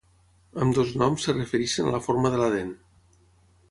Ambdós noms es refereixen a la forma de la dent.